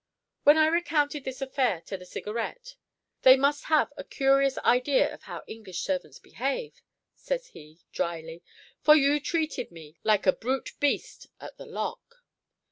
When I recounted this affair to the Cigarette, 'They must have a curious idea of how English servants behave,' says he dryly, 'for you treated me like a brute beast at the lock.